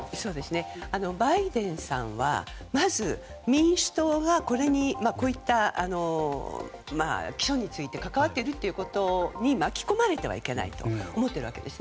バイデンさんはまず民主党は起訴について関わっているということに巻き込まれてはいけないと思っているわけです。